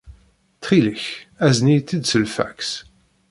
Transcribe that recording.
Ttxil-k, azen-iyi-tt-id s lfaks.